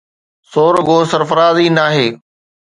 سو رڳو سرفراز ئي ناهي،